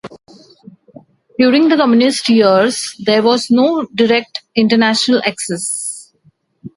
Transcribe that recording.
During the Communist years, there was no direct international access.